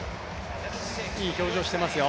いい表情してますよ。